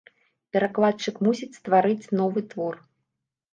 Перакладчык мусіць стварыць новы твор.